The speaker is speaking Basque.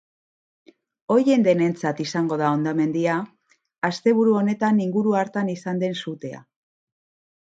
Horien denentzat izango da hondamendia asteburu honetan inguru hartan izan den sutea.